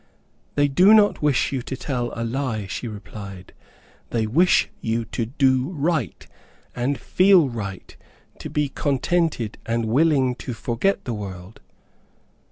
"They do not wish you to tell a lie," she replied; "they wish you to do right, and feel right; to be contented and willing to forget the world."